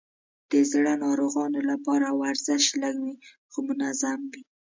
د زړه ناروغانو لپاره ورزش لږ وي، خو منظم وي.